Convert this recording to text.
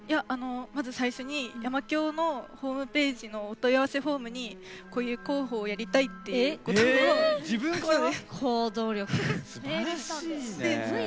まず最初に山響のホームページのお問い合わせフォームにこういう広報をやりたい自分から？